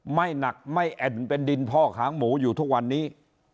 ไม่หนักไม่แอ่นเป็นดินพอกหางหมูอยู่ทุกวันนี้